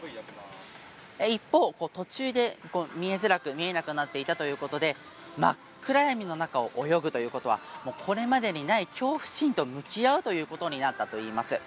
一方、途中で見えなくなっていたということで真っ暗闇の中を泳ぐというのはこれまでにない恐怖心と向き合うということになったといいます。